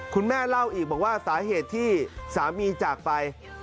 คุณแม่เล่าอีกบอกว่าสาเหตุที่สามีจากไป